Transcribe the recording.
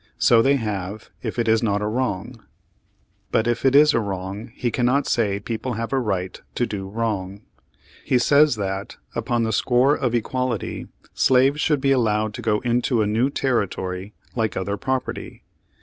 So they have, if it is not a wrong. But if it is a wrong, he cannot say people have a right to do wrong. He says that, upon the score of equality, slaves should be allowed to go into a new territory like other property.